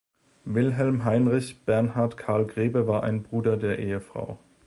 Wilhelm Heinrich Bernhard Karl Grebe war ein Bruder der Ehefrau.